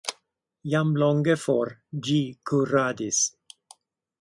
Jam longe for ĝi kuradis.